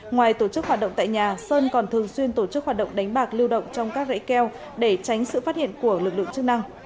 ngoài tổ chức hoạt động tại nhà sơn còn thường xuyên tổ chức hoạt động đánh bạc lưu động trong các rẫy keo để tránh sự phát hiện của lực lượng chức năng